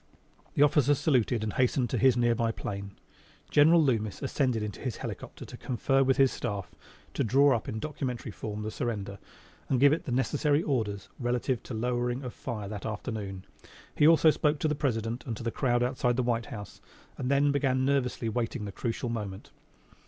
The officer saluted and hastened to his near by plane. General Loomis ascended into his helicopter to confer with his staff to draw up in documentary form the surrender, and give the necessary orders relative to lowering of fire that afternoon. He also spoke to the President and to the crowd outside the White House, and then began nervously waiting the crucial moment.